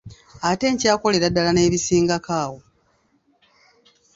Ate nkyakolera ddala n'ebisingako awo.